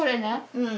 うん。